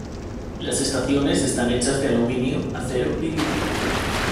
Las estaciones están hechas de aluminio, acero y vidrio.